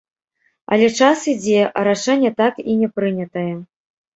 Але час ідзе, а рашэнне так і не прынятае.